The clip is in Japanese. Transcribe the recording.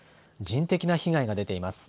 人的な被害が出ています。